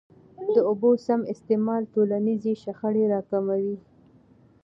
د اوبو سم استعمال ټولنیزي شخړي را کموي.